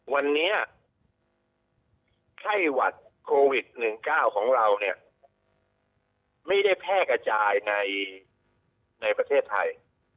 วันนี้ไข้หวัดโควิด๑๙ของเราเนี่ยไม่ได้แพร่กระจายในประเทศไทย